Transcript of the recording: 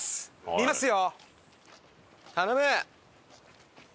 見ますよ！